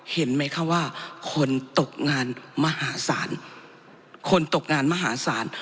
เห็นไหมคะว่าคนตกงานมหาศาลคนตกงานมหาศาล